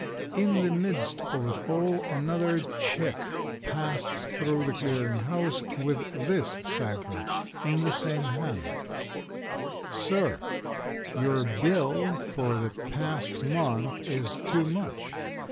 In the midst of it all another check passed through the Clearing House with this cipher, in the same hand: SIR: Your bill for the past month is too much.